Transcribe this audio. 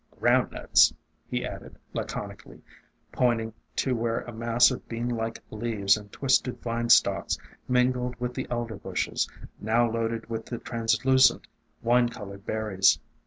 Ground Nuts," he added, laconically, pointing to where a mass of bean like leaves and twisted vine THE DRAPERY OF VINES 3<DI stalks mingled with the Elder bushes, now loaded with the translucent, wine colored berries.